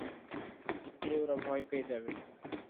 এতে ওরা ভয় পেয়ে যাবে।